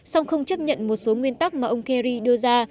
song không chấp nhận một số nguyên tắc mà ông kerry đưa ra